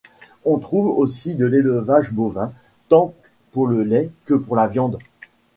On trouve aussi de l'élevage bovin, tant pour le lait que pour la viande.